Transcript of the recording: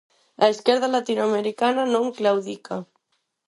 'A esquerda latinoamericana non claudica'.